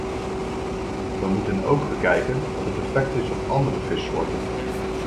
We moeten ook bekijken wat het effect is op andere vissoorten.